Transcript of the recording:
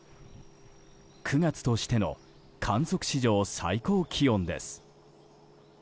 ９月としての観測史上最高気温です。